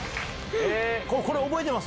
これ覚えてます？